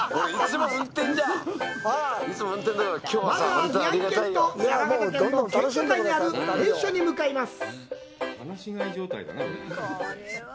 まずは、宮城と山形の県境にある名所に向かいます。